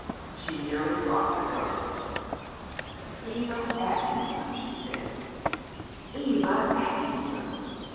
She nearly dropped the coat. "Eva Atkinson!" she said. Eva Atkinson!...